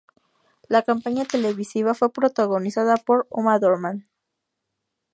La campaña televisiva fue protagonizada por Uma Thurman.